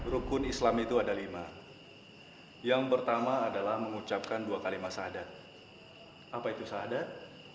rukun islam itu ada lima yang pertama adalah mengucapkan dua kalimat syadat apa itu sahadat